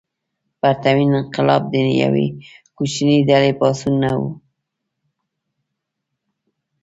پرتمین انقلاب د یوې کوچنۍ ډلې پاڅون نه و.